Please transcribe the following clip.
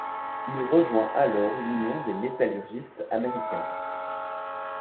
Il rejoint alors l'union des métallurgistes américains.